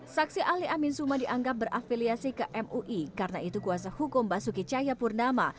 saksi ahli amin suma dianggap berafiliasi ke mui karena itu kuasa hukum basuki cahayapurnama